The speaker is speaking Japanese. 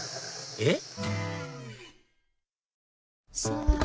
えっ？